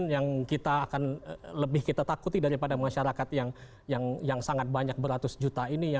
yang kita akan lebih kita takuti daripada masyarakat yang sangat banyak beratus juta ini